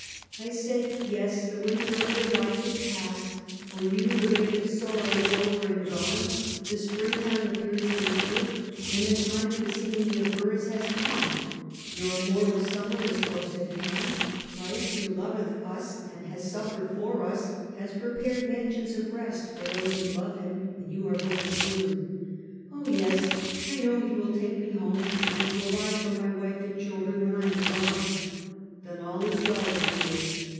I said, "Yes; the winter of your life is past; for you the reign of sorrow is over and gone; the spring time appears on the earth, and the time for the sing ing of birds has come; your immortal summer is close at hand; Christ, who loveth us, and has suffered for us, has prepared mansions of rest, for those who love him, and you are going soon," " Oh, yes; I know he will take me home, and pro vide for my wife and children when I am gone." " Then all is well with yon!